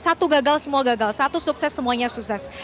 satu gagal semua gagal satu sukses semuanya sukses